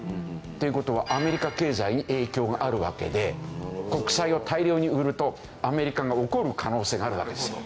という事はアメリカ経済に影響があるわけで国債を大量に売るとアメリカが怒る可能性があるわけですよ。